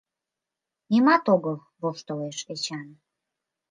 — Нимат огыл, — воштылеш Эчан.